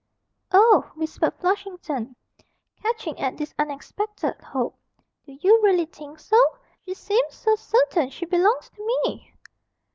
'Oh,' whispered Flushington, catching at this unexpected hope, 'do you really think so? She seems so certain she belongs to me!'